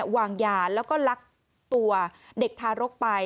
วางยาแล้วก็ลักตัวเด็กทารกไป